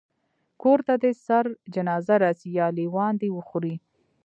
کور ته دي سره جنازه راسي یا لېوان دي وخوري